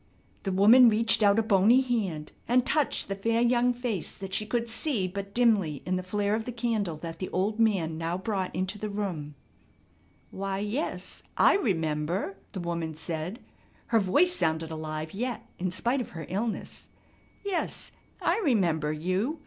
The woman reached out a bony hand and touched the fair young face that she could see but dimly in the flare of the candle that the old man now brought into the room: "Why, yes, I remember," the woman said, her voice sounded alive yet in spite of her illness, "Yes, I remember you.